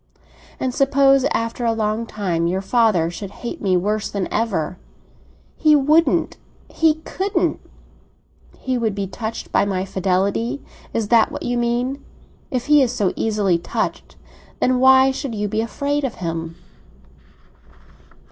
"And suppose after a long time your father should hate me worse than ever?" "He wouldn't—he couldn't!" "He would be touched by my fidelity? Is that what you mean? If he is so easily touched, then why should you be afraid of him?"